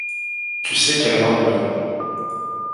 Tu sais quelles robes me vont.